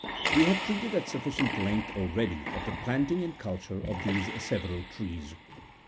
We have treated at sufficient length already of the planting and culture of these several trees.